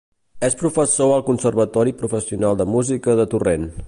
És professor al Conservatori Professional de Música de Torrent.